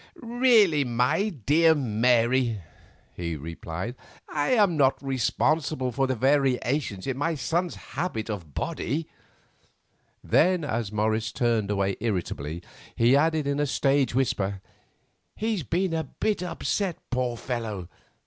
"Really, my dear Mary," he replied, "I am not responsible for the variations in my son's habit of body." Then, as Morris turned away irritably, he added in a stage whisper, "He's been a bit upset, poor fellow!